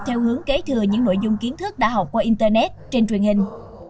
theo hướng kế thừa những nội dung kiến thức đã học qua internet trên truyền hình